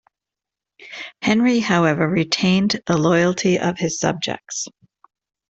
Henry, however, retained the loyalty of his subjects.